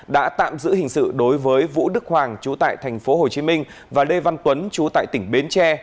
đã tạm giữ hình sự đối với vũ đức hoàng chú tại tp hcm và lê văn tuấn chú tại tỉnh bến tre